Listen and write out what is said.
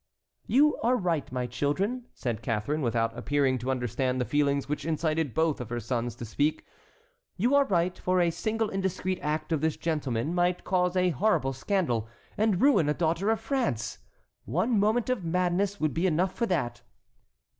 "You are right, my children," said Catharine, without appearing to understand the feelings which incited both of her sons to speak. "You are right, for a single indiscreet act of this gentleman might cause a horrible scandal, and ruin a daughter of France. One moment of madness would be enough for that."